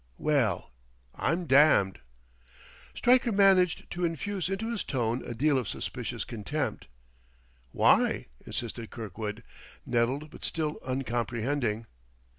"Well ... I'm damned!" Stryker managed to infuse into his tone a deal of suspicious contempt. "Why?" insisted Kirkwood, nettled but still uncomprehending.